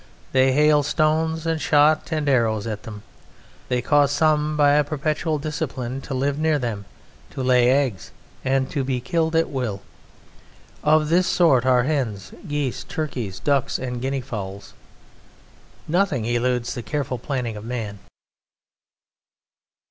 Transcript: They hail stones and shot and arrows at them. They cause some by a perpetual discipline to live near them, to lay eggs and to be killed at will; of this sort are hens, geese, turkeys, ducks, and guinea fowls. Nothing eludes the careful planning of man.